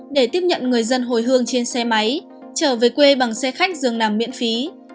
để tiếp nhận người dân hồi hương trên xe máy trở về quê bằng xe khách dường nằm miễn phí